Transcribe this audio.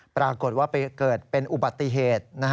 ปรากฏว่าเกิดเป็นอุบัติเหตุ